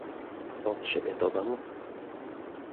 Od siebie dodam